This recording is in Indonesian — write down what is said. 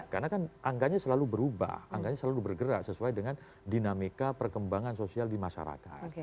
karena kan angkanya selalu berubah selalu bergerak sesuai dengan dinamika perkembangan sosial di masyarakat